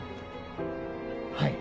はい。